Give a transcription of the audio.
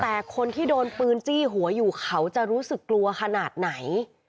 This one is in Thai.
แต่คนที่โดนปืนจี้หัวอยู่เขาจะรู้สึกกลัวขนาดไหน